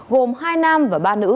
gồm hai nam và ba nữ